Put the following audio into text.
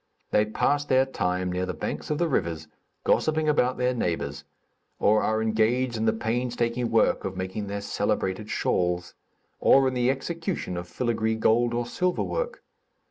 They pass their time near the banks of the rivers, gossiping about their neighbors; or are engaged in the painstaking work of making their celebrated shawls; or in the execution of filagree gold or silver work.